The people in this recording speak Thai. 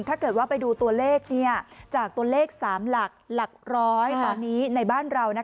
ถ้าเกิดว่าไปดูตัวเลขจากตัวเลข๓หลักร้อยตอนนี้ในบ้านเรา